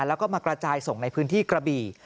แล้วก็มากระจายส่งในพื้นที่กระบี่